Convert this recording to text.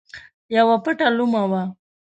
یوه پټه لومه وه.